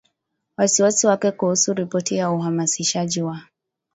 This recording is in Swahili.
wasiwasi wake kuhusu ripoti ya uhamasishaji wa